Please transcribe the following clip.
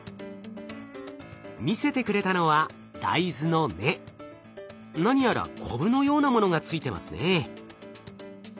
見せてくれたのは何やらコブのようなものがついてますね。